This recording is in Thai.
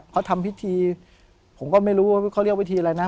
เขาทำพิธีผมก็ไม่รู้ว่าเขาเรียกวิธีอะไรนะ